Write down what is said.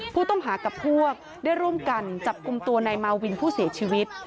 ผู้ต้องหากับพวกได้ร่วมกันจับกลุ่มตัวนายมาวินผู้เสียชีวิต